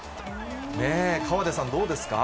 ね、河出さん、どうですか？